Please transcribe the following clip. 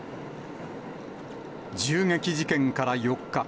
銃撃事件から４日。